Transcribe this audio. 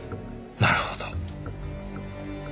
なるほど。